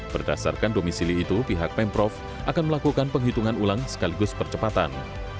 berdasarkan domisili itu pihak pemprov akan melakukan penghitungan ulang sekaligus percepatan